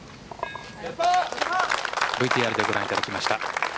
ＶＴＲでご覧いただきました。